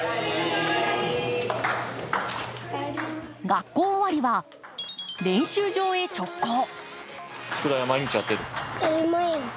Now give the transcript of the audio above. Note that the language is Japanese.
学校終わりは練習場へ直行。